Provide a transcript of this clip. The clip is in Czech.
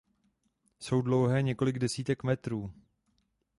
Jsou dlouhé několik desítek metrů.